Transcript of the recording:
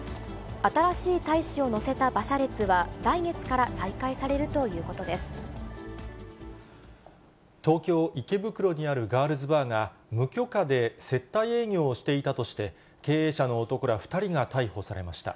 新しい大使を乗せた馬車列は、来月から再開されるということで東京・池袋にあるガールズバーが、無許可で接待営業をしていたとして、経営者の男ら２人が逮捕されました。